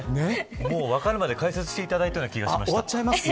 もう、わかるまで解説していただいたような気がしました。